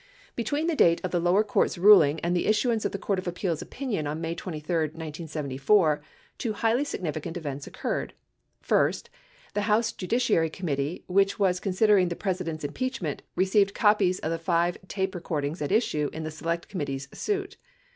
Between the date of the lower court's ruling and the issuance of the Court of Appeals' opinion on May 23, 1974, 11 two highly significant events occurred. First, the House Judiciary Committee, which was con sidering the President's impeachment, received copies of the five tape recordings at issue in the Select Committee's suit.